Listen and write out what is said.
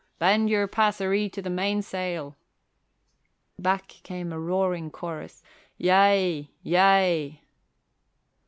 "Bend your passeree to the mainsail!" Back came a roaring chorus, "Yea, yea!"